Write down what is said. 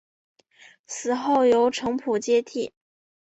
死后由程普接替。